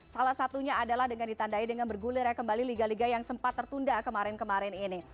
salah satunya adalah dengan ditandai dengan bergulirnya kembali liga liga yang sempat tertunda kemarin kemarin ini